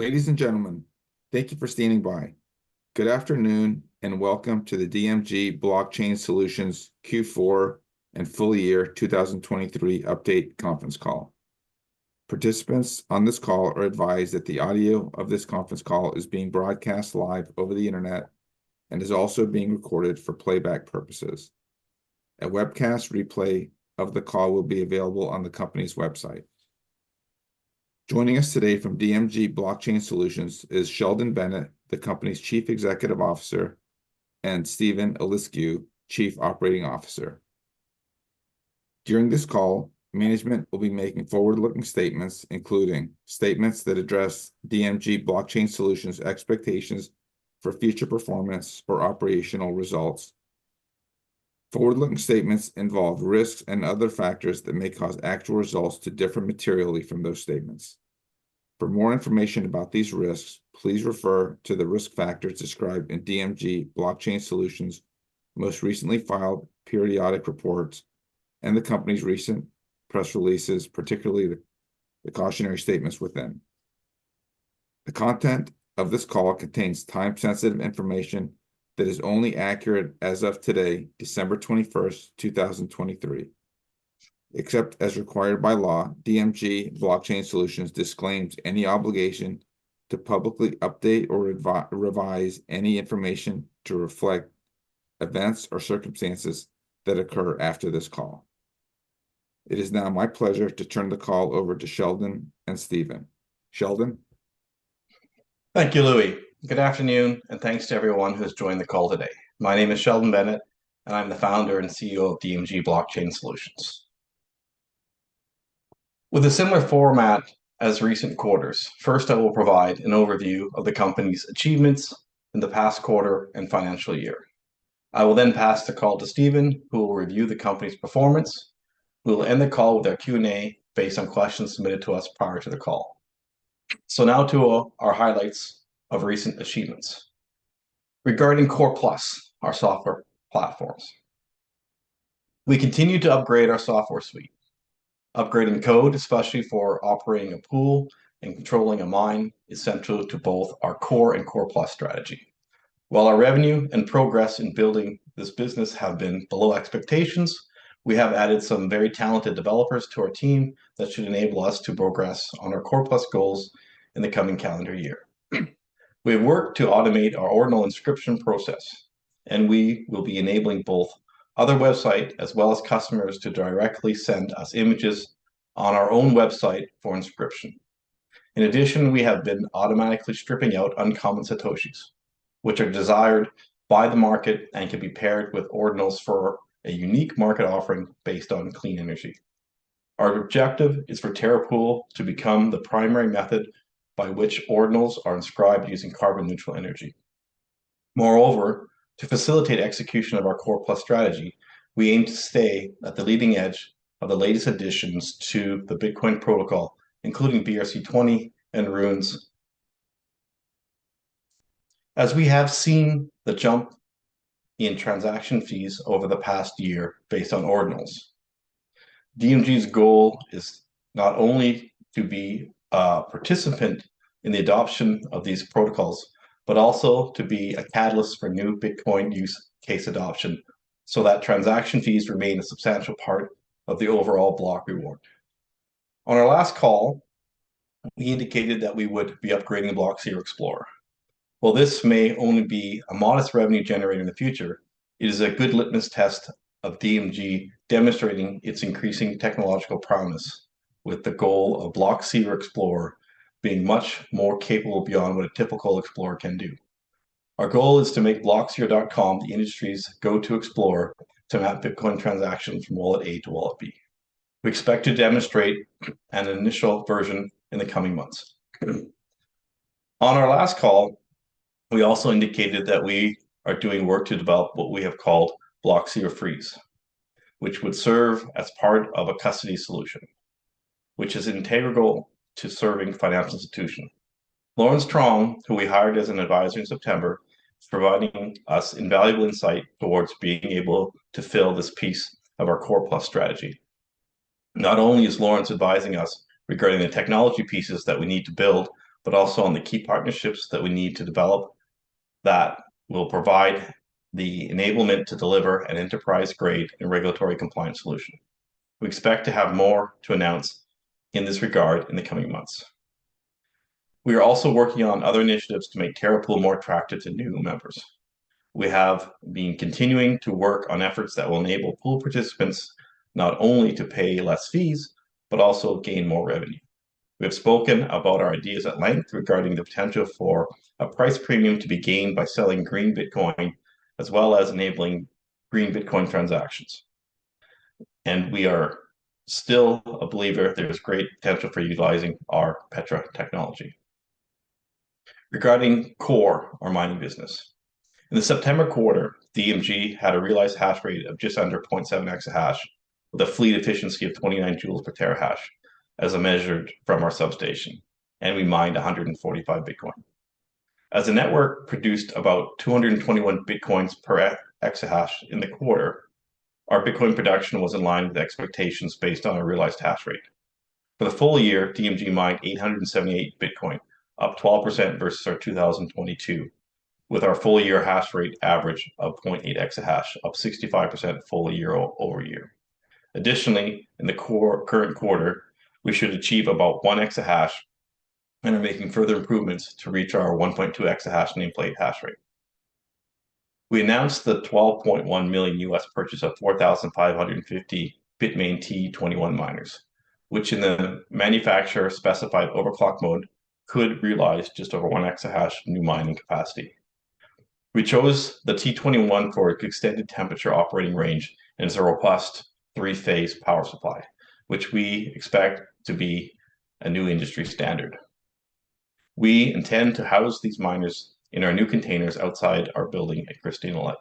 Ladies and gentlemen, thank you for standing by. Good afternoon and welcome to the DMG Blockchain Solutions Q4 and full year 2023 update conference call. Participants on this call are advised that the audio of this conference call is being broadcast live over the internet and is also being recorded for playback purposes. A webcast replay of the call will be available on the company's website. Joining us today from DMG Blockchain Solutions is Sheldon Bennett, the company's Chief Executive Officer, and Steven Eliscu, Chief Operating Officer. During this call, management will be making forward-looking statements, including statements that address DMG Blockchain Solutions' expectations for future performance or operational results. Forward-looking statements involve risks and other factors that may cause actual results to differ materially from those statements. For more information about these risks, please refer to the risk factors described in DMG Blockchain Solutions' most recently filed periodic reports and the company's recent press releases, particularly the cautionary statements within. The content of this call contains time-sensitive information that is only accurate as of today, December 21st, 2023. Except as required by law, DMG Blockchain Solutions disclaims any obligation to publicly update or revise any information to reflect events or circumstances that occur after this call. It is now my pleasure to turn the call over to Sheldon and Steven. Sheldon? Thank you, Louie. Good afternoon and thanks to everyone who has joined the call today. My name is Sheldon Bennett, and I'm the founder and CEO of DMG Blockchain Solutions. With a similar format as recent quarters, first I will provide an overview of the company's achievements in the past quarter and financial year. I will then pass the call to Steven, who will review the company's performance. We will end the call with our Q&A based on questions submitted to us prior to the call. So now to our highlights of recent achievements. Regarding Core+, our software platforms. We continue to upgrade our software suite. Upgrading code, especially for operating a pool and controlling a mine, is central to both our Core and Core+ strategy. While our revenue and progress in building this business have been below expectations, we have added some very talented developers to our team that should enable us to progress on our Core+ goals in the coming calendar year. We have worked to automate our Ordinal inscription process, and we will be enabling both other websites as well as customers to directly send us images on our own website for inscription. In addition, we have been automatically stripping out uncommon satoshis, which are desired by the market and can be paired with Ordinals for a unique market offering based on clean energy. Our objective is for TerraPool to become the primary method by which Ordinals are inscribed using carbon-neutral energy. Moreover, to facilitate execution of our Core+ strategy, we aim to stay at the leading edge of the latest additions to the Bitcoin protocol, including BRC-20 and Runes, as we have seen the jump in transaction fees over the past year based on Ordinals. DMG's goal is not only to be a participant in the adoption of these protocols, but also to be a catalyst for new Bitcoin use case adoption so that transaction fees remain a substantial part of the overall block reward. On our last call, we indicated that we would be upgrading Blockseer Explorer. While this may only be a modest revenue generator in the future, it is a good litmus test of DMG demonstrating its increasing technological promise with the goal of Blockseer Explorer being much more capable beyond what a typical explorer can do. Our goal is to make Blockseer.com the industry's go-to explorer to map Bitcoin transactions from wallet A to wallet B. We expect to demonstrate an initial version in the coming months. On our last call, we also indicated that we are doing work to develop what we have called Blockseer Freeze, which would serve as part of a custody solution, which is integral to serving financial institutions. Lawrence Strong, who we hired as an advisor in September, is providing us invaluable insight towards being able to fill this piece of our Core+ strategy. Not only is Lawrence advising us regarding the technology pieces that we need to build, but also on the key partnerships that we need to develop that will provide the enablement to deliver an enterprise-grade and regulatory compliant solution. We expect to have more to announce in this regard in the coming months. We are also working on other initiatives to make TerraPool more attractive to new members. We have been continuing to work on efforts that will enable pool participants not only to pay less fees, but also gain more revenue. We have spoken about our ideas at length regarding the potential for a price premium to be gained by selling green Bitcoin, as well as enabling green Bitcoin transactions. We are still a believer there is great potential for utilizing our Terra technology. Regarding core, our mining business. In the September quarter, DMG had a realized hash rate of just under 0.7 exahash with a fleet efficiency of 29 joules per terahash as measured from our substation, and we mined 145 Bitcoin. As a network produced about 221 bitcoins per exahash in the quarter, our Bitcoin production was in line with expectations based on our realized hash rate. For the full year, DMG mined 878 Bitcoin, up 12% versus our 2022, with our full-year hash rate average of 0.8 exahash, up 65% year-over-year. Additionally, in the current quarter, we should achieve about 1 exahash and are making further improvements to reach our 1.2 exahash nameplate hash rate. We announced the $12.1 million purchase of 4,550 Bitmain T21 miners, which in the manufacturer-specified overclock mode could realize just over 1 exahash new mining capacity. We chose the T21 for extended temperature operating range and a Zero Plus three-phase power supply, which we expect to be a new industry standard. We intend to house these miners in our new containers outside our building at Christina Lake.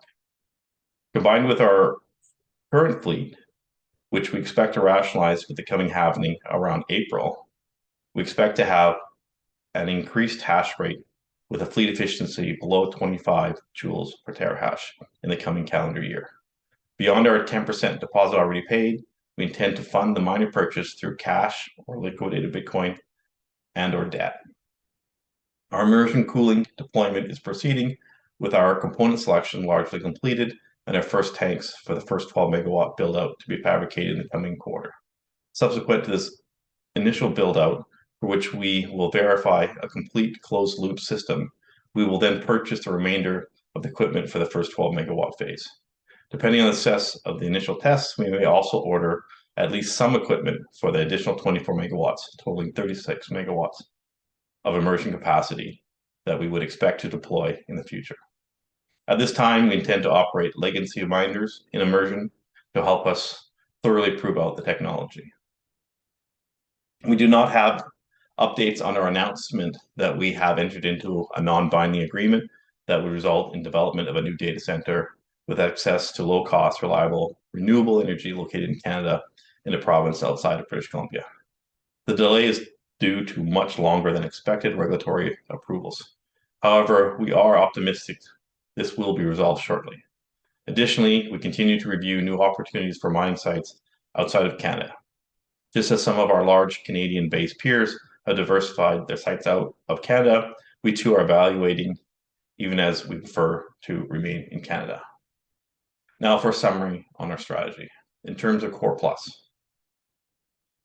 Combined with our current fleet, which we expect to rationalize with the coming halving around April, we expect to have an increased hash rate with a fleet efficiency below 25 J/TH in the coming calendar year. Beyond our 10% deposit already paid, we intend to fund the miner purchase through cash or liquidated Bitcoin and/or debt. Our immersion cooling deployment is proceeding, with our component selection largely completed and our first tanks for the first 12 MW buildout to be fabricated in the coming quarter. Subsequent to this initial buildout, for which we will verify a complete closed-loop system, we will then purchase the remainder of the equipment for the first 12 MW phase. Depending on the success of the initial tests, we may also order at least some equipment for the additional 24 megawatts, totaling 36 megawatts of immersion capacity that we would expect to deploy in the future. At this time, we intend to operate legacy miners in immersion to help us thoroughly prove out the technology. We do not have updates on our announcement that we have entered into a non-binding agreement that would result in development of a new data center with access to low-cost, reliable, renewable energy located in Canada in a province outside of British Columbia. The delay is due to much longer-than-expected regulatory approvals. However, we are optimistic this will be resolved shortly. Additionally, we continue to review new opportunities for mining sites outside of Canada. Just as some of our large Canadian-based peers have diversified their sites out of Canada, we too are evaluating, even as we prefer, to remain in Canada. Now for a summary on our strategy. In terms of Core+.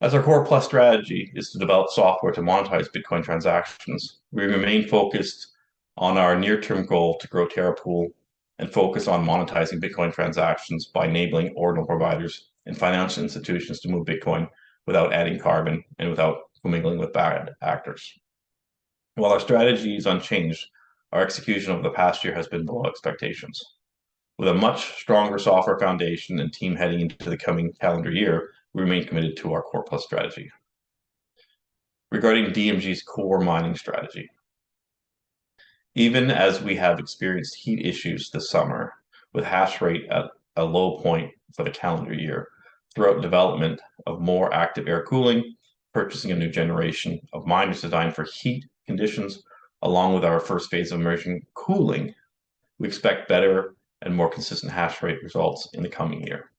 As our Core+ strategy is to develop software to monetize Bitcoin transactions, we remain focused on our near-term goal to grow TerraPool and focus on monetizing Bitcoin transactions by enabling ordinal providers and financial institutions to move Bitcoin without adding carbon and without fumigating with bad actors. While our strategy is unchanged, our execution over the past year has been below expectations. With a much stronger software foundation and team heading into the coming calendar year, we remain committed to our Core+ strategy. Regarding DMG's Core mining strategy. Even as we have experienced heat issues this summer with a hash rate at a low point for the calendar year, throughout development of more active air cooling, purchasing a new generation of miners designed for heat conditions, along with our first phase of immersion cooling, we expect better and more consistent hash rate results in the coming year.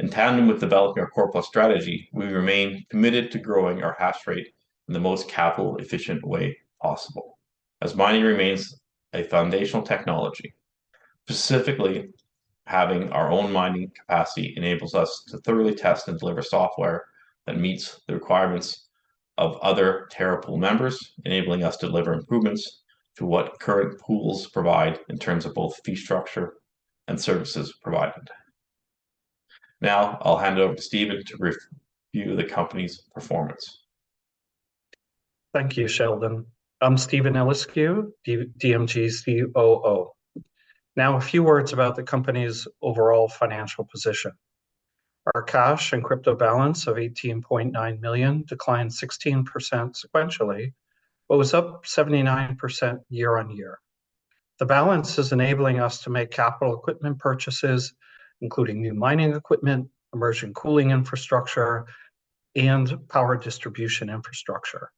In tandem with developing our Core+ strategy, we remain committed to growing our hash rate in the most capital-efficient way possible. As mining remains a foundational technology, specifically, having our own mining capacity enables us to thoroughly test and deliver software that meets the requirements of other TerraPool members, enabling us to deliver improvements to what current pools provide in terms of both fee structure and services provided. Now I'll hand it over to Steven to review the company's performance. Thank you, Sheldon. I'm Steven Eliscu, DMG's COO. Now a few words about the company's overall financial position. Our cash and crypto balance of $18.9 million declined 16% sequentially, but was up 79% year-over-year. The balance is enabling us to make capital equipment purchases, including new mining equipment, immersion cooling infrastructure, and power distribution infrastructure.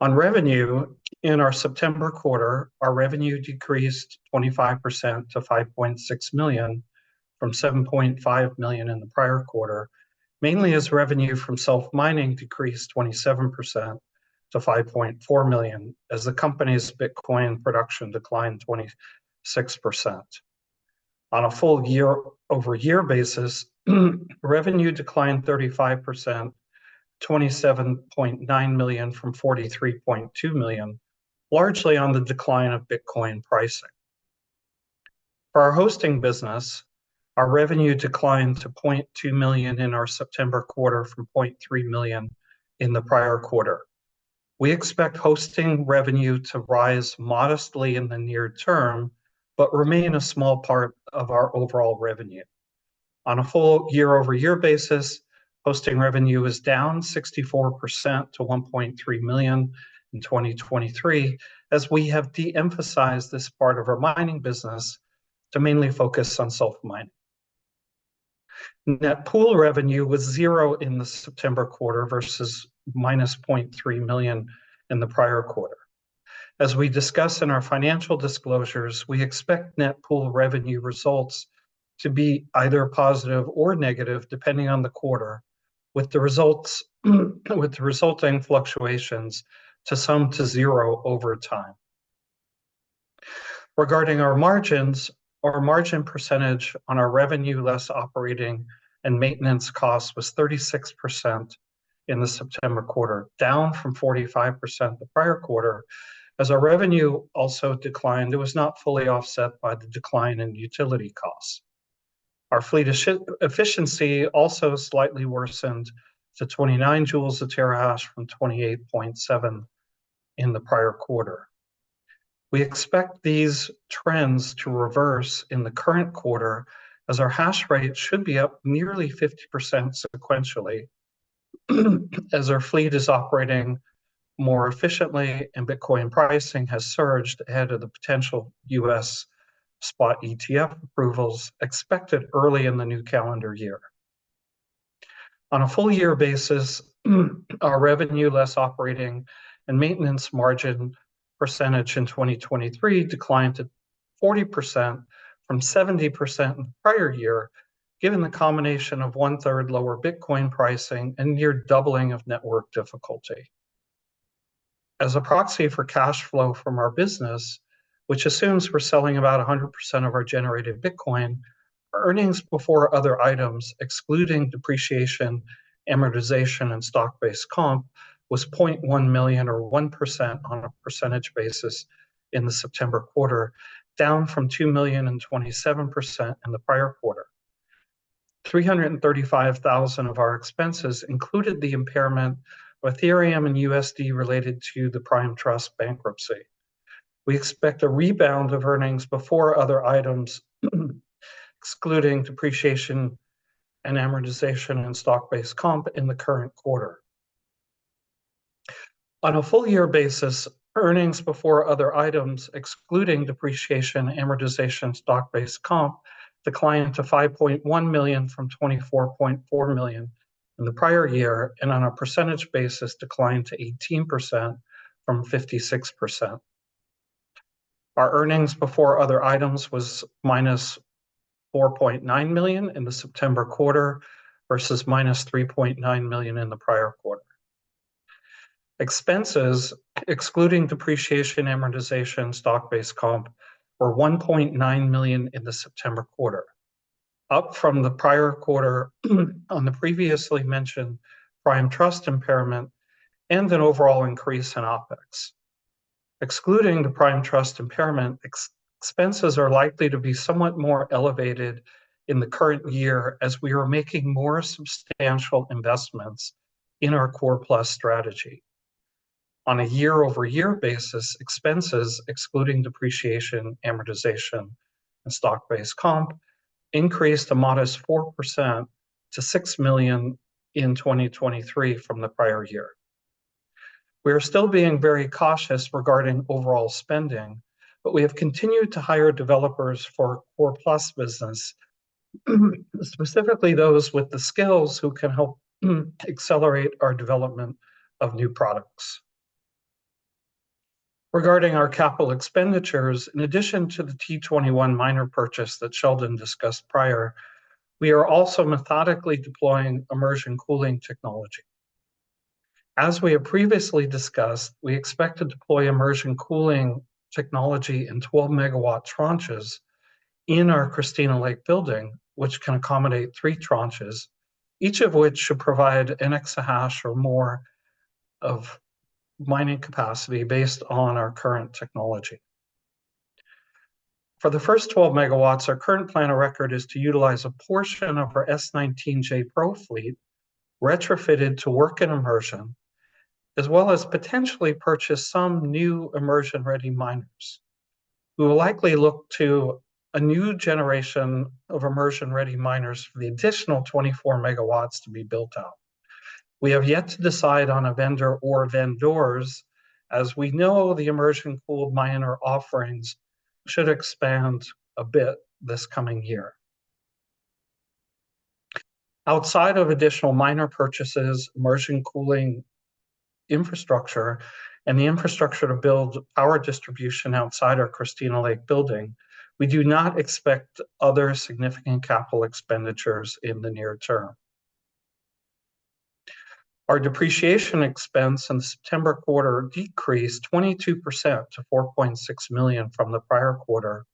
On revenue, in our September quarter, our revenue decreased 25% to $5.6 million from $7.5 million in the prior quarter, mainly as revenue from self-mining decreased 27% to $5.4 million as the company's Bitcoin production declined 26%. On a full year-over-year basis, revenue declined 35%, $27.9 million from $43.2 million, largely on the decline of Bitcoin pricing. For our hosting business, our revenue declined to $0.2 million in our September quarter from $0.3 million in the prior quarter. We expect hosting revenue to rise modestly in the near term but remain a small part of our overall revenue. On a full year-over-year basis, hosting revenue is down 64% to $1.3 million in 2023 as we have de-emphasized this part of our mining business to mainly focus on self-mining. Net pool revenue was $0 in the September quarter versus -$0.3 million in the prior quarter. As we discuss in our financial disclosures, we expect net pool revenue results to be either positive or negative depending on the quarter, with the resulting fluctuations to sum to zero over time. Regarding our margins, our margin percentage on our revenue-less operating and maintenance costs was 36% in the September quarter, down from 45% the prior quarter. As our revenue also declined, it was not fully offset by the decline in utility costs. Our fleet efficiency also slightly worsened to 29 Joules per terahash from 28.7 in the prior quarter. We expect these trends to reverse in the current quarter as our hash rate should be up nearly 50% sequentially as our fleet is operating more efficiently and Bitcoin pricing has surged ahead of the potential U.S. spot ETF approvals expected early in the new calendar year. On a full-year basis, our revenue-less operating and maintenance margin percentage in 2023 declined to 40% from 70% in the prior year, given the combination of one-third lower Bitcoin pricing and near doubling of network difficulty. As a proxy for cash flow from our business, which assumes we're selling about 100% of our generated Bitcoin, our earnings before other items, excluding depreciation, amortization, and stock-based comp, was $0.1 million or 1% on a percentage basis in the September quarter, down from $2 million and 27% in the prior quarter. $335,000 of our expenses included the impairment of Ethereum and USD related to the Prime Trust bankruptcy. We expect a rebound of earnings before other items, excluding depreciation and amortization and stock-based comp, in the current quarter. On a full-year basis, earnings before other items, excluding depreciation, amortization, and stock-based comp, declined to $5.1 million from $24.4 million in the prior year and on a percentage basis declined to 18% from 56%. Our earnings before other items were -$4.9 million in the September quarter versus -$3.9 million in the prior quarter. Expenses, excluding depreciation, amortization, and stock-based comp, were $1.9 million in the September quarter, up from the prior quarter on the previously mentioned Prime Trust impairment and an overall increase in OpEx. Excluding the Prime Trust impairment, expenses are likely to be somewhat more elevated in the current year as we are making more substantial investments in our Core+ strategy. On a year-over-year basis, expenses, excluding depreciation, amortization, and stock-based comp, increased to modest 4% to $6 million in 2023 from the prior year. We are still being very cautious regarding overall spending, but we have continued to hire developers for our Core+ business, specifically those with the skills who can help accelerate our development of new products. Regarding our capital expenditures, in addition to the T21 miner purchase that Sheldon discussed prior, we are also methodically deploying immersion cooling technology. As we have previously discussed, we expect to deploy immersion cooling technology in 12 MW tranches in our Christina Lake building, which can accommodate three tranches, each of which should provide an exahash or more of mining capacity based on our current technology. For the first 12 MW, our current plan of record is to utilize a portion of our S19j Pro fleet retrofitted to work in immersion, as well as potentially purchase some new immersion-ready miners. We will likely look to a new generation of immersion-ready miners for the additional 24 MW to be built out. We have yet to decide on a vendor or vendors as we know the immersion-cooled miner offerings should expand a bit this coming year. Outside of additional minor purchases, immersion cooling infrastructure, and the infrastructure to build power distribution outside our Christina Lake building, we do not expect other significant capital expenditures in the near term. Our depreciation expense in the September quarter decreased 22% to $4.6 million from the prior quarter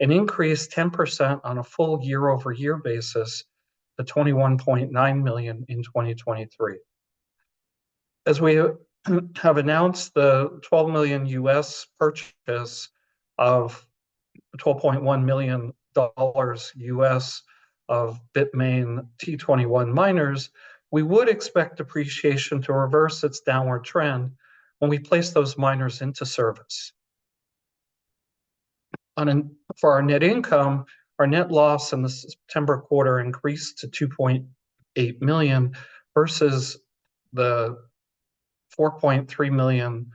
and increased 10% on a full year-over-year basis to $21.9 million in 2023. As we have announced the $12 million purchase of $12.1 million of Bitmain T21 miners, we would expect depreciation to reverse its downward trend when we place those miners into service. For our net income, our net loss in the September quarter increased to $2.8 million versus the $4.3 million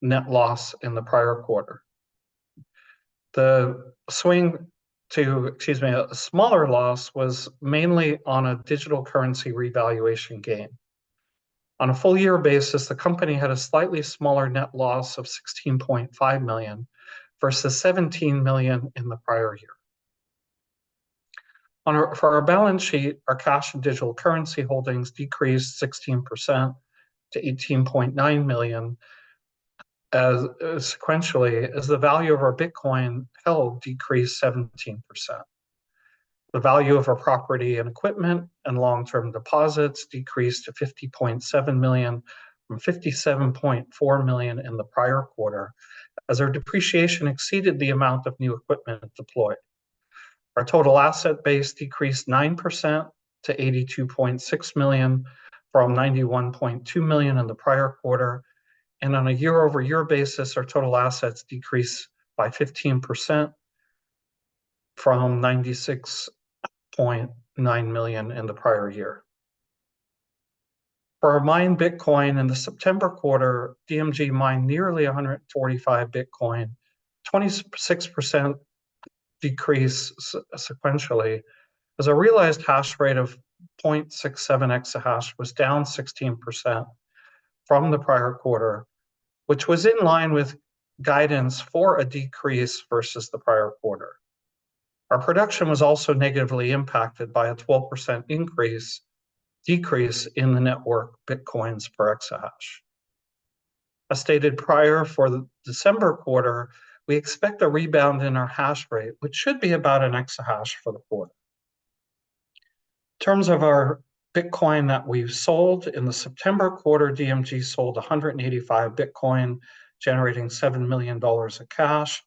net loss in the prior quarter. The swing to, excuse me, a smaller loss was mainly on a digital currency revaluation gain. On a full-year basis, the company had a slightly smaller net loss of $16.5 million versus $17 million in the prior year. For our balance sheet, our cash and digital currency holdings decreased 16% to $18.9 million sequentially as the value of our Bitcoin held decreased 17%. The value of our property and equipment and long-term deposits decreased to $50.7 million from $57.4 million in the prior quarter as our depreciation exceeded the amount of new equipment deployed. Our total asset base decreased 9% to $82.6 million from $91.2 million in the prior quarter. On a year-over-year basis, our total assets decreased by 15% from $96.9 million in the prior year. For our mined Bitcoin in the September quarter, DMG mined nearly 145 Bitcoin, 26% decrease sequentially as a realized hash rate of 0.67 exahash was down 16% from the prior quarter, which was in line with guidance for a decrease versus the prior quarter. Our production was also negatively impacted by a 12% decrease in the network Bitcoins per exahash. As stated prior for the December quarter, we expect a rebound in our hash rate, which should be about an exahash for the quarter. In terms of our Bitcoin that we've sold in the September quarter, DMG sold 185 Bitcoin, generating $7 million in cash.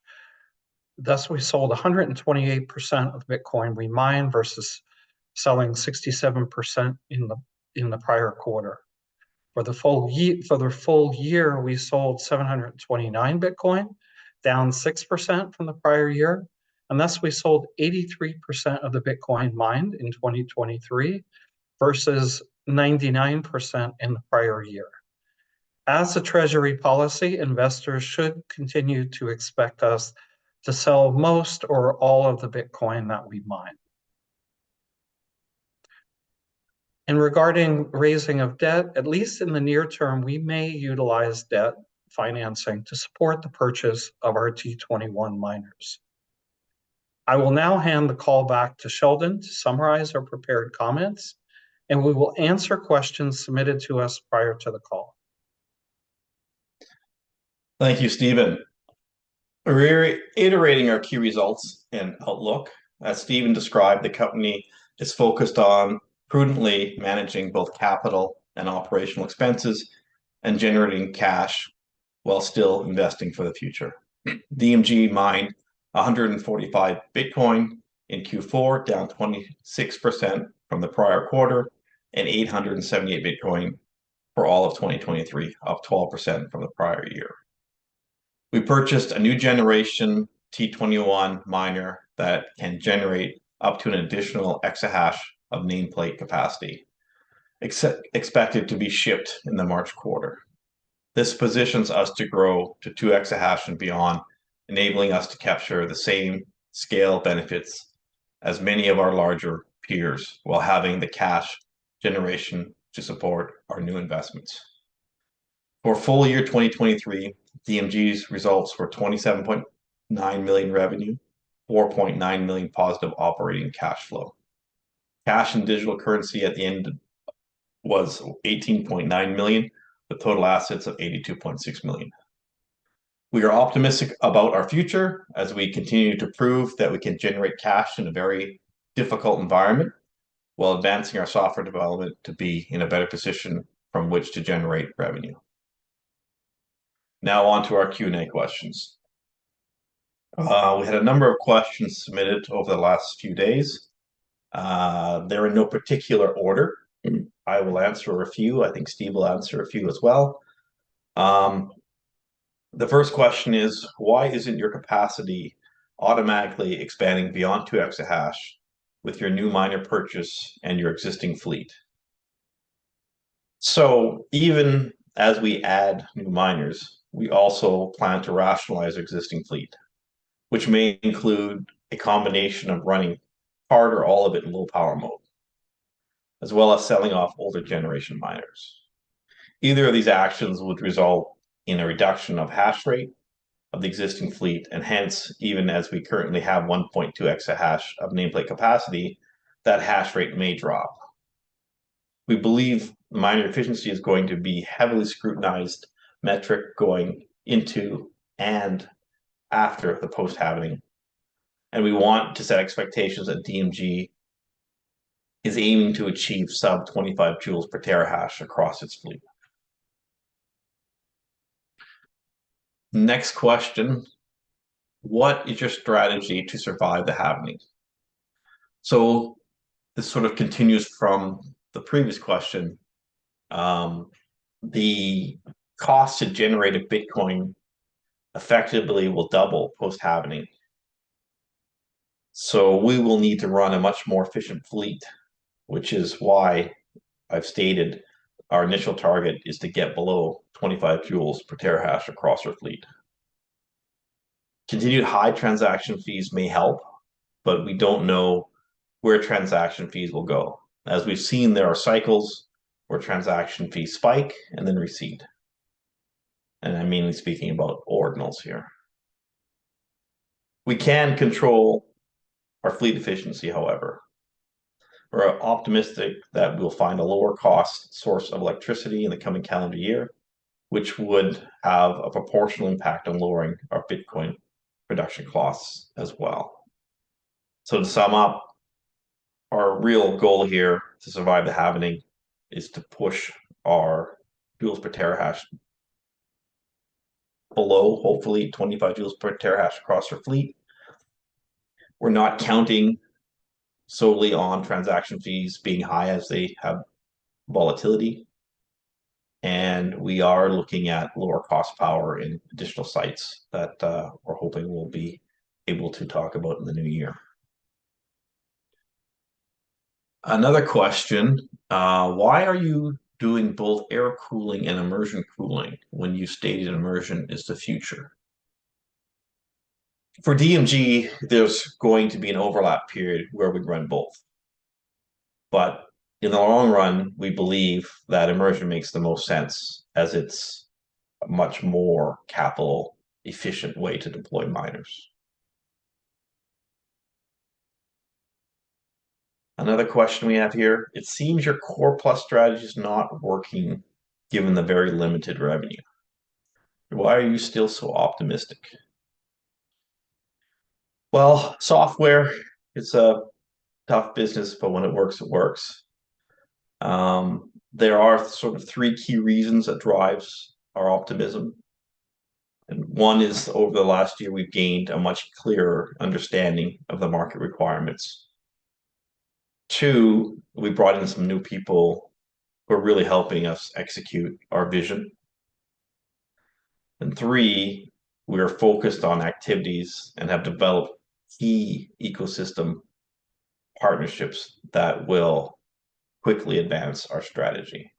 Thus, we sold 128% of the Bitcoin we mined versus selling 67% in the prior quarter. For the full year, we sold 729 Bitcoin, down 6% from the prior year. Thus, we sold 83% of the Bitcoin mined in 2023 versus 99% in the prior year. As a treasury policy, investors should continue to expect us to sell most or all of the Bitcoin that we mined. Regarding raising of debt, at least in the near term, we may utilize debt financing to support the purchase of our T21 miners. I will now hand the call back to Sheldon to summarize our prepared comments, and we will answer questions submitted to us prior to the call. Thank you, Steven. We're reiterating our key results in outlook. As Steven described, the company is focused on prudently managing both capital and operational expenses and generating cash while still investing for the future. DMG mined 145 Bitcoin in Q4, down 26% from the prior quarter, and 878 Bitcoin for all of 2023, up 12% from the prior year. We purchased a new generation T21 miner that can generate up to an additional exahash of nameplate capacity, expected to be shipped in the March quarter. This positions us to grow to two exahash and beyond, enabling us to capture the same scale benefits as many of our larger peers while having the cash generation to support our new investments. For full year 2023, DMG's results were $27.9 million revenue, $4.9 million positive operating cash flow. Cash and digital currency at the end was $18.9 million, with total assets of $82.6 million. We are optimistic about our future as we continue to prove that we can generate cash in a very difficult environment while advancing our software development to be in a better position from which to generate revenue. Now on to our Q&A questions. We had a number of questions submitted over the last few days. They're in no particular order. I will answer a few. I think Steve will answer a few as well. The first question is, why isn't your capacity automatically expanding beyond two exahash with your new miner purchase and your existing fleet? So even as we add new miners, we also plan to rationalize our existing fleet, which may include a combination of running part or all of it in low power mode, as well as selling off older generation miners. Either of these actions would result in a reduction of hash rate of the existing fleet. And hence, even as we currently have 1.2 exahash of nameplate capacity, that hash rate may drop. We believe miner efficiency is going to be a heavily scrutinized metric going into and after the post-halving. And we want to set expectations that DMG is aiming to achieve sub 25 joules per terahash across its fleet. Next question, what is your strategy to survive the halving? So this sort of continues from the previous question. The cost to generate a Bitcoin effectively will double post-halving. So we will need to run a much more efficient fleet, which is why I've stated our initial target is to get below 25 Joules per Terahash across our fleet. Continued high transaction fees may help, but we don't know where transaction fees will go. As we've seen, there are cycles where transaction fees spike and then recede. And I'm mainly speaking about Ordinals here. We can control our fleet efficiency, however. We're optimistic that we'll find a lower-cost source of electricity in the coming calendar year, which would have a proportional impact on lowering our Bitcoin production costs as well. So to sum up, our real goal here to survive the halving is to push our Joules per Terahash below, hopefully, 25 Joules per Terahash across our fleet. We're not counting solely on transaction fees being high as they have volatility. And we are looking at lower-cost power in additional sites that we're hoping we'll be able to talk about in the new year. Another question, why are you doing both air cooling and immersion cooling when you stated immersion is the future? For DMG, there's going to be an overlap period where we'd run both. But in the long run, we believe that immersion makes the most sense as it's a much more capital-efficient way to deploy miners. Another question we have here, it seems your Core+ strategy is not working given the very limited revenue. Why are you still so optimistic? Well, software, it's a tough business, but when it works, it works. There are sort of three key reasons that drive our optimism. And one is over the last year, we've gained a much clearer understanding of the market requirements. 2, we brought in some new people who are really helping us execute our vision. And 3, we are focused on activities and have developed key ecosystem partnerships that will quickly advance our strategy.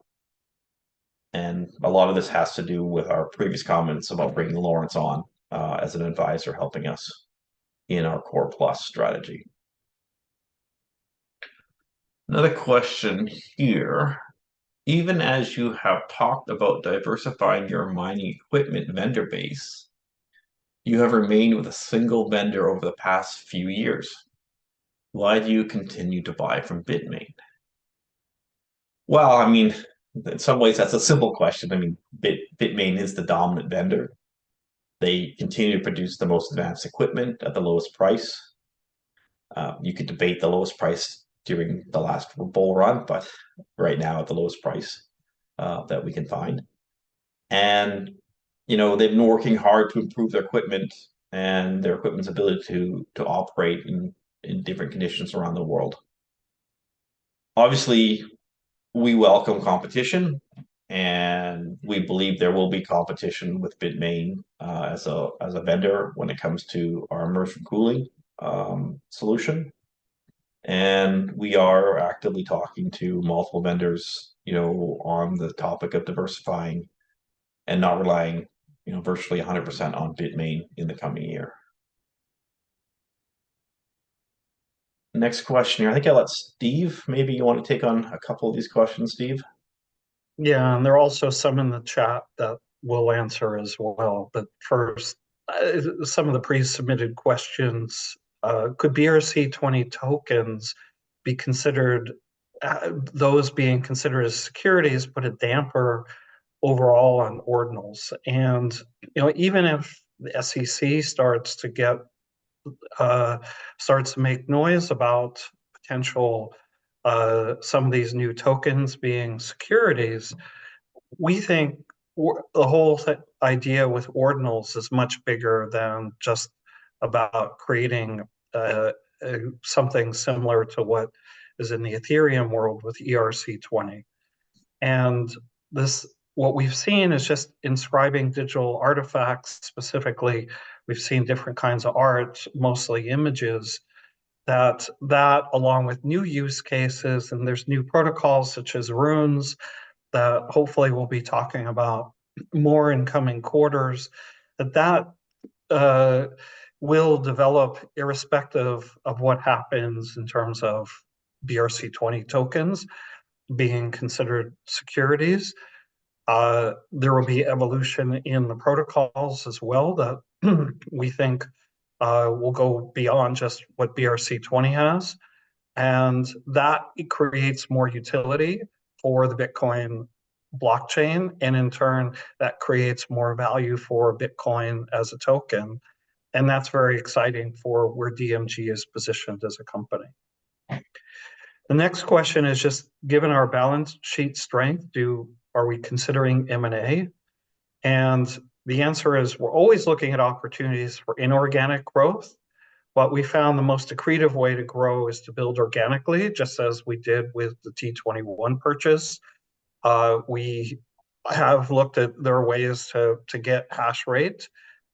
And a lot of this has to do with our previous comments about bringing Lawrence on as an advisor, helping us in our Core+ strategy. Another question here, even as you have talked about diversifying your mining equipment vendor base, you have remained with a single vendor over the past few years. Why do you continue to buy from Bitmain? Well, I mean, in some ways, that's a simple question. I mean, Bitmain is the dominant vendor. They continue to produce the most advanced equipment at the lowest price. You could debate the lowest price during the last bull run, but right now, at the lowest price that we can find. And they've been working hard to improve their equipment and their equipment's ability to operate in different conditions around the world. Obviously, we welcome competition, and we believe there will be competition with Bitmain as a vendor when it comes to our immersion cooling solution. And we are actively talking to multiple vendors on the topic of diversifying and not relying virtually 100% on Bitmain in the coming year. Next question here. I think I'll let Steve. Maybe you want to take on a couple of these questions, Steve? Yeah. And there are also some in the chat that we'll answer as well. But first, some of the presubmitted questions: could BRC-20 tokens be considered those being considered as securities, but a damper overall on Ordinals? And even if the SEC starts to make noise about potential some of these new tokens being securities, we think the whole idea with Ordinals is much bigger than just about creating something similar to what is in the Ethereum world with ERC-20. And what we've seen is just inscribing digital artifacts. Specifically, we've seen different kinds of art, mostly images, that along with new use cases and there's new protocols such as Runes that hopefully we'll be talking about more in coming quarters, that that will develop irrespective of what happens in terms of BRC-20 tokens being considered securities. There will be evolution in the protocols as well that we think will go beyond just what BRC-20 has. That creates more utility for the Bitcoin blockchain. In turn, that creates more value for Bitcoin as a token. That's very exciting for where DMG is positioned as a company. The next question is, given our balance sheet strength, are we considering M&A? The answer is, we're always looking at opportunities for inorganic growth. But we found the most accretive way to grow is to build organically, just as we did with the T21 purchase. We have looked at. There are ways to get hash rate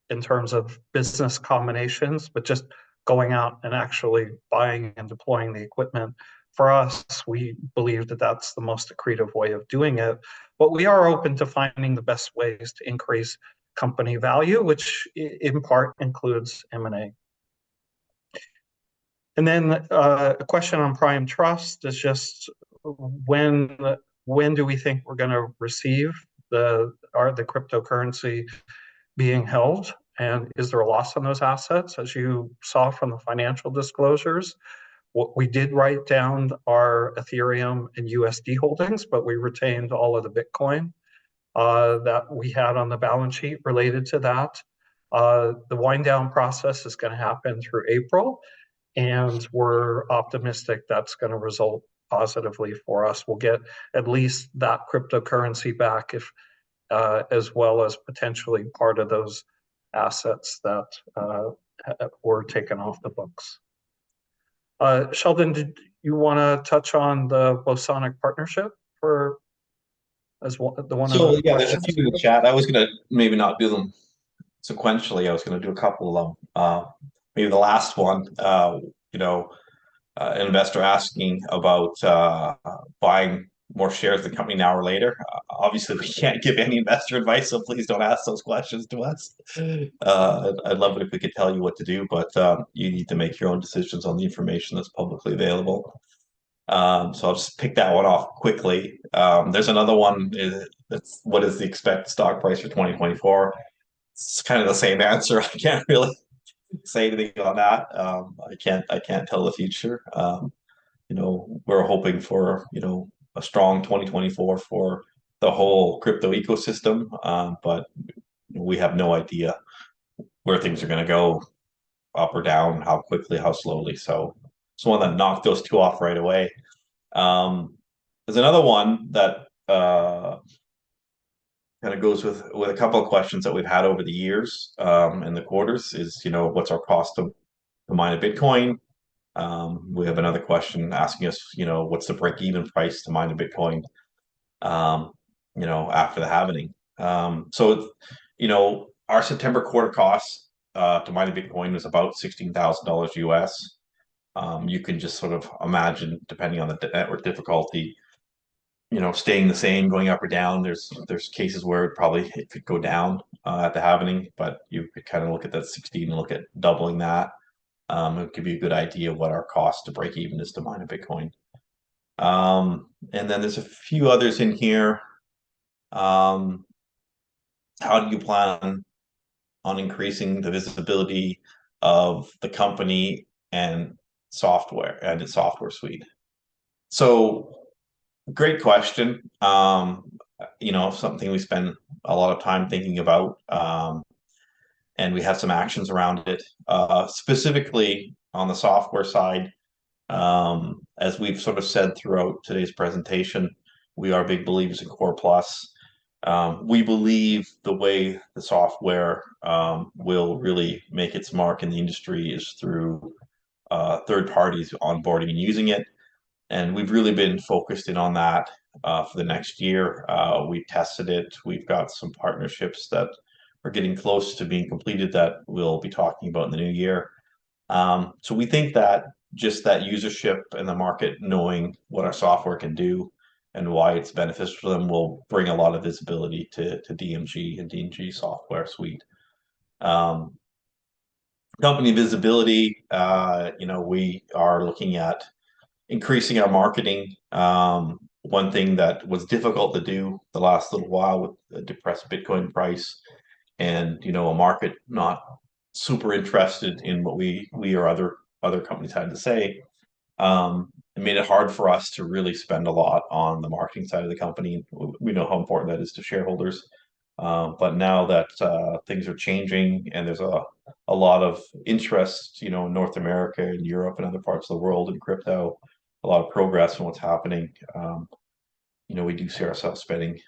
in terms of business combinations, but just going out and actually buying and deploying the equipment. For us, we believe that's the most accretive way of doing it. But we are open to finding the best ways to increase company value, which in part includes M&A. And then a question on Prime Trust is just, when do we think we're going to receive the cryptocurrency being held? And is there a loss on those assets? As you saw from the financial disclosures, we did write down our Ethereum and USD holdings, but we retained all of the Bitcoin that we had on the balance sheet related to that. The wind-down process is going to happen through April. And we're optimistic that's going to result positively for us. We'll get at least that cryptocurrency back as well as potentially part of those assets that were taken off the books. Sheldon, did you want to touch on the Bosonic partnership for the one? So yeah, there's a few in the chat. I was going to maybe not do them sequentially. I was going to do a couple of them. Maybe the last one, an investor asking about buying more shares of the company now or later. Obviously, we can't give any investor advice, so please don't ask those questions to us. I'd love it if we could tell you what to do, but you need to make your own decisions on the information that's publicly available. So I'll just pick that one off quickly. There's another one. What is the expected stock price for 2024? It's kind of the same answer. I can't really say anything on that. I can't tell the future. We're hoping for a strong 2024 for the whole crypto ecosystem, but we have no idea where things are going to go, up or down, how quickly, how slowly. So it's one that knocked those two off right away. There's another one that kind of goes with a couple of questions that we've had over the years in the quarters is, what's our cost to mine a Bitcoin? We have another question asking us, what's the break-even price to mine a Bitcoin after the halving? So our September quarter cost to mine a Bitcoin was about $16,000. You can just sort of imagine, depending on the network difficulty, staying the same, going up or down. There's cases where it probably could go down at the halving, but you could kind of look at that 16 and look at doubling that. It could be a good idea of what our cost to break-even is to mine a Bitcoin. And then there's a few others in here. How do you plan on increasing the visibility of the company and its software suite? So great question. Something we spend a lot of time thinking about, and we have some actions around it. Specifically on the software side, as we've sort of said throughout today's presentation, we are big believers in Core+. We believe the way the software will really make its mark in the industry is through third parties onboarding and using it. And we've really been focused in on that for the next year. We've tested it. We've got some partnerships that are getting close to being completed that we'll be talking about in the new year. So we think that just that usership and the market knowing what our software can do and why it's beneficial to them will bring a lot of visibility to DMG and DMG's software suite. Company visibility, we are looking at increasing our marketing. One thing that was difficult to do the last little while with the depressed Bitcoin price and a market not super interested in what we or other companies had to say, it made it hard for us to really spend a lot on the marketing side of the company. We know how important that is to shareholders. But now that things are changing and there's a lot of interest in North America and Europe and other parts of the world in crypto, a lot of progress in what's happening, we do see ourselves spending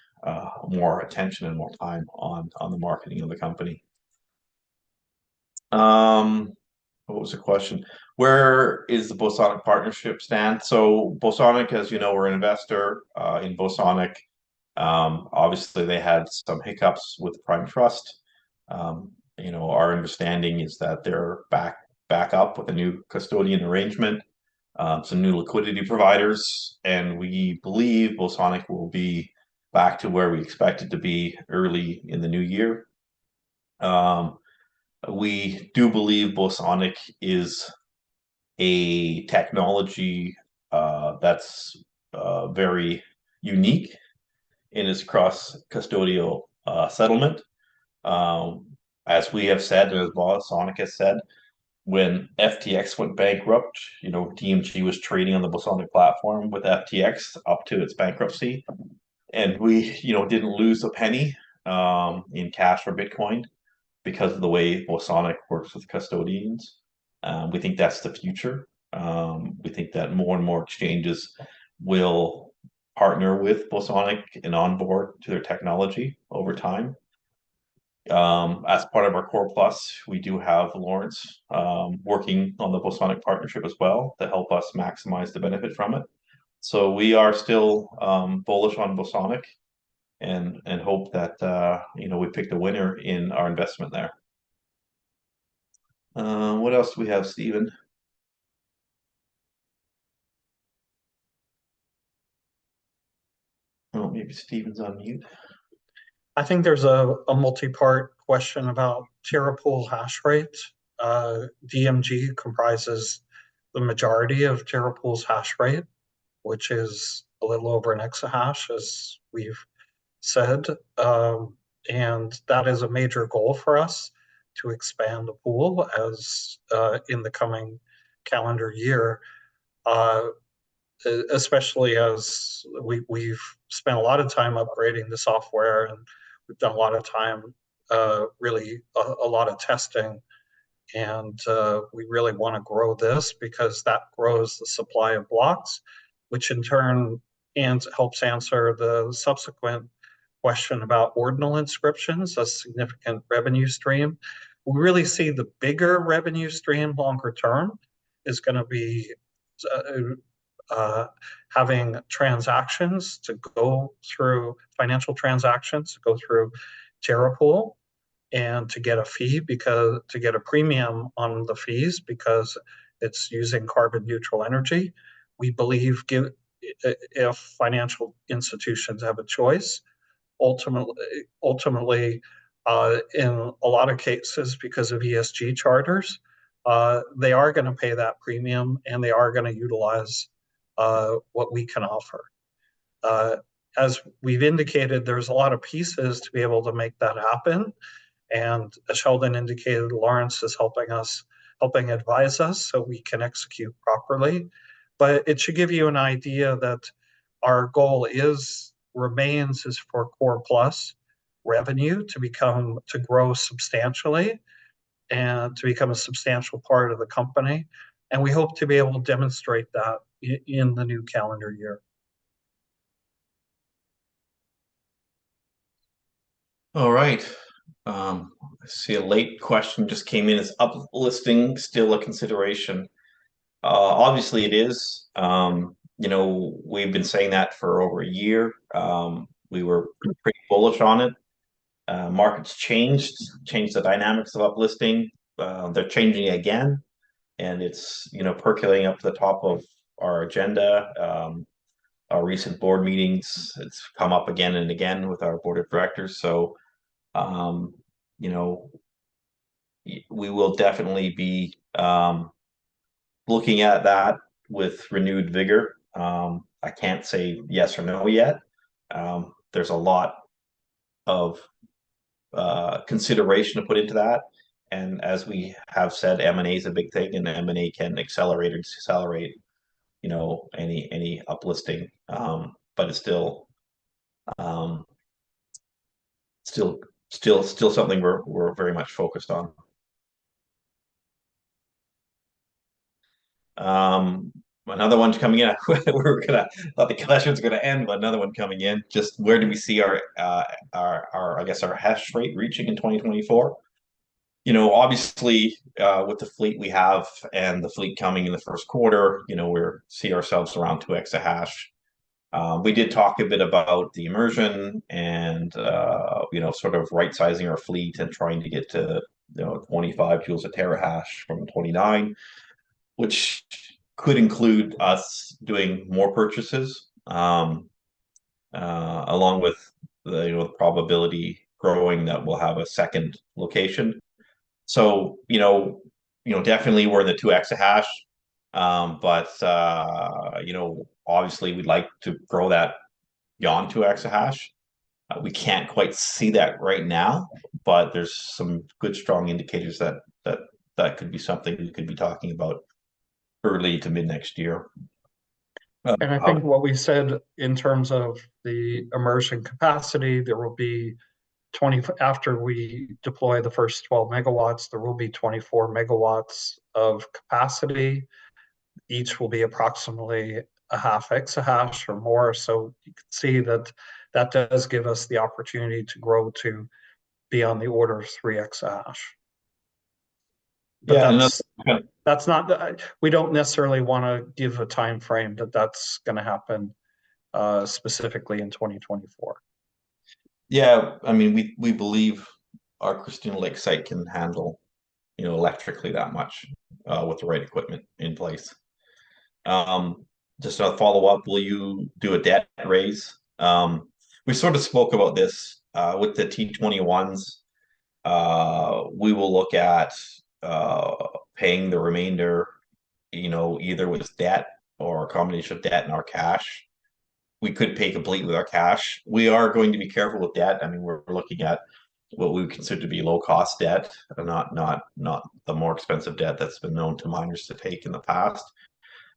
more attention and more time on the marketing of the company. What was the question? Where is the Bosonic partnership stand? So Bosonic, as you know, we're an investor in Bosonic. Obviously, they had some hiccups with Prime Trust. Our understanding is that they're back up with a new custodian arrangement, some new liquidity providers. We believe Bosonic will be back to where we expect it to be early in the new year. We do believe Bosonic is a technology that's very unique in its cross-custodial settlement. As we have said and as Bosonic has said, when FTX went bankrupt, DMG was trading on the Bosonic platform with FTX up to its bankruptcy. We didn't lose a penny in cash for Bitcoin because of the way Bosonic works with custodians. We think that's the future. We think that more and more exchanges will partner with Bosonic and onboard to their technology over time. As part of our Core+, we do have Lawrence working on the Bosonic partnership as well to help us maximize the benefit from it. So we are still bullish on Bosonic and hope that we pick the winner in our investment there. What else do we have, Steven? Oh, maybe Steven's on mute. I think there's a multi-part question about TerraPool hash rate. DMG comprises the majority of TerraPool's hash rate, which is a little over an exahash, as we've said. That is a major goal for us to expand the pool in the coming calendar year, especially as we've spent a lot of time upgrading the software, and we've done a lot of time, really a lot of testing. We really want to grow this because that grows the supply of blocks, which in turn helps answer the subsequent question about ordinal inscriptions, a significant revenue stream. We really see the bigger revenue stream longer term is going to be having transactions to go through financial transactions to go through TerraPool and to get a fee to get a premium on the fees because it's using carbon-neutral energy. We believe if financial institutions have a choice, ultimately, in a lot of cases, because of ESG charters, they are going to pay that premium, and they are going to utilize what we can offer. As we've indicated, there's a lot of pieces to be able to make that happen. And as Sheldon indicated, Lawrence is helping advise us so we can execute properly. But it should give you an idea that our goal remains for Core+ revenue to grow substantially and to become a substantial part of the company. And we hope to be able to demonstrate that in the new calendar year. All right. I see a late question just came in. Is uplisting still a consideration? Obviously, it is. We've been saying that for over a year. We were pretty bullish on it. Markets changed, changed the dynamics of uplisting. They're changing again. And it's percolating up to the top of our agenda. Our recent board meetings, it's come up again and again with our board of directors. So we will definitely be looking at that with renewed vigor. I can't say yes or no yet. There's a lot of consideration to put into that. And as we have said, M&A is a big thing, and M&A can accelerate or decelerate any uplisting. But it's still something we're very much focused on. Another one's coming in. I thought the question was going to end, but another one coming in. Just where do we see, I guess, our hash rate reaching in 2024? Obviously, with the fleet we have and the fleet coming in the first quarter, we see ourselves around 2 exahash. We did talk a bit about the immersion and sort of right-sizing our fleet and trying to get to 25 joules per terahash from 29, which could include us doing more purchases along with the probability growing that we'll have a second location. So definitely, we're in the 2 exahash. But obviously, we'd like to grow that beyond 2 exahash. We can't quite see that right now, but there's some good, strong indicators that could be something we could be talking about early to mid-next year. I think what we said in terms of the immersion capacity, there will be, after we deploy the first 12 megawatts, 24 megawatts of capacity. Each will be approximately 0.5 exahash or more. So you can see that that does give us the opportunity to grow to be on the order of 3 exahash. But that's not; we don't necessarily want to give a timeframe that that's going to happen specifically in 2024. Yeah. I mean, we believe our Christina Lake site can handle electrically that much with the right equipment in place. Just a follow-up, will you do a debt raise? We sort of spoke about this with the T21s. We will look at paying the remainder either with debt or a combination of debt and our cash. We could pay completely with our cash. We are going to be careful with debt. I mean, we're looking at what we would consider to be low-cost debt, not the more expensive debt that's been known to miners to take in the past.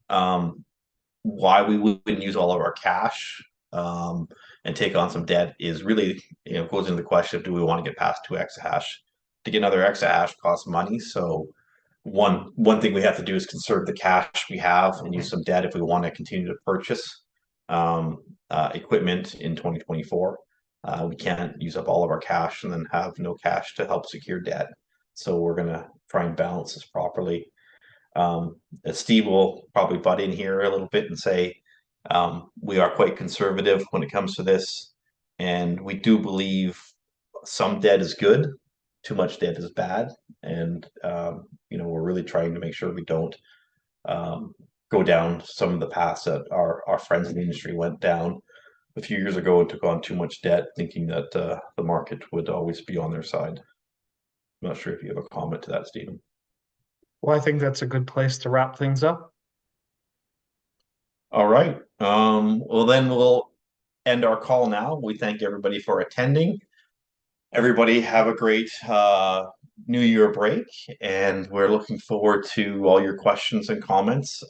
Why we wouldn't use all of our cash and take on some debt is really goes into the question of, do we want to get past 2 exahash? To get another exahash costs money. So one thing we have to do is conserve the cash we have and use some debt if we want to continue to purchase equipment in 2024. We can't use up all of our cash and then have no cash to help secure debt. So we're going to try and balance this properly. Steve will probably butt in here a little bit and say we are quite conservative when it comes to this. And we do believe some debt is good. Too much debt is bad. And we're really trying to make sure we don't go down some of the paths that our friends in the industry went down a few years ago and took on too much debt thinking that the market would always be on their side. I'm not sure if you have a comment to that, Steven. Well, I think that's a good place to wrap things up. All right. Well, then we'll end our call now. We thank everybody for attending. Everybody, have a great New Year break. And we're looking forward to all your questions and comments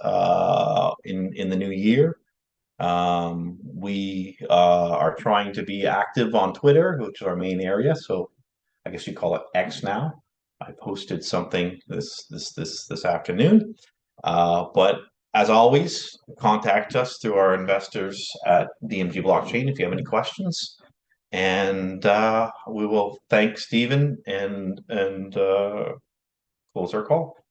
in the new year. We are trying to be active on Twitter, which is our main area. So I guess you call it X now. I posted something this afternoon. But as always, contact us through our investors at DMG Blockchain if you have any questions. And we will thank Steven and close our call.